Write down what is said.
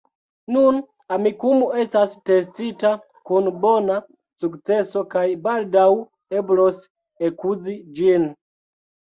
Nun Amikumu estas testita kun bona sukceso kaj baldaŭ eblos ekuzi ĝin.